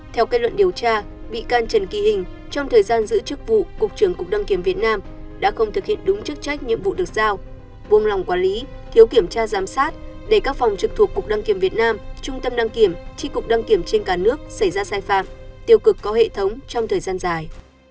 theo kết luận điều tra bị can trần kỳ hình trong thời gian giữ chức vụ cục trưởng cục đăng kiểm việt nam đã không thực hiện đúng chức trách nhiệm vụ được giao buông lòng quản lý thiếu kiểm tra giám sát để các phòng trực thuộc cục đăng kiểm việt nam trung tâm đăng kiểm tri cục đăng kiểm trên cả nước xảy ra sai phạm tiêu cực có hệ thống trong thời gian dài